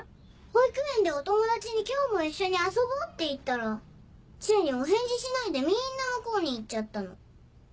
保育園でお友達に「今日も一緒に遊ぼう」って言ったら知恵にお返事しないでみんな向こうに行っちゃったの。